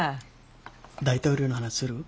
大統領の話する？